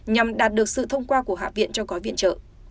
nhằm đạt được sự thông qua của hạ viện cho gói viện trợ